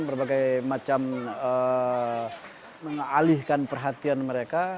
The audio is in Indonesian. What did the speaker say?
berbagai macam mengalihkan perhatian mereka